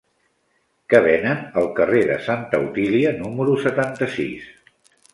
Què venen al carrer de Santa Otília número setanta-sis?